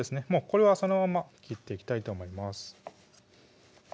これはそのまま切っていきたいと思います